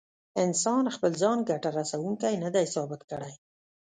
انسان خپل ځان ګټه رسوونکی نه دی ثابت کړی.